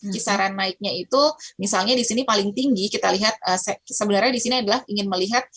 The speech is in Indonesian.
kisaran naiknya itu misalnya di sini paling tinggi kita lihat sebenarnya di sini adalah ingin melihat